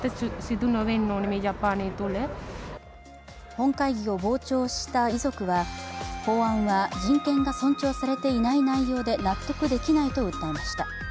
本会議を傍聴した遺族は、法案は人権が尊重されていない内容で納得できないと訴えました。